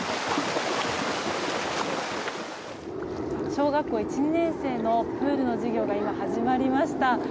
小学校１、２年生のプールの授業が今、始まりました。